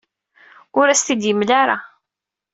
Ur as-t-id-yemla ara.